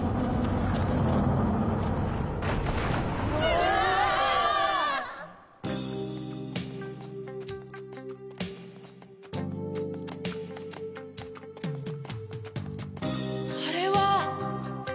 うわ！あれは！